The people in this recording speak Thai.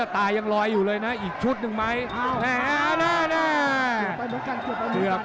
ตายังลอยอยู่เลยนะอีกชุดหนึ่งไหมครับ